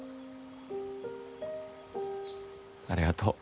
ありがとう。